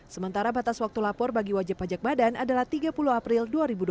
sementara batas waktu lapor bagi wajib pajak badan adalah tiga puluh april dua ribu dua puluh